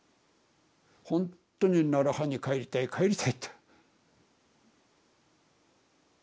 ほんとに楢葉に帰りたい帰りたいと。